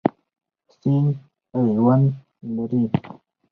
سیند ژوند لري.